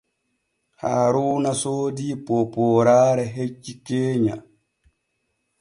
Haaruuna soodii poopooraare hecce keenya.